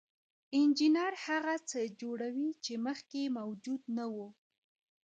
انجینر هغه څه جوړوي چې مخکې موجود نه وو.